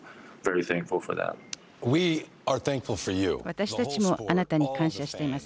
私たちもあなたに感謝しています。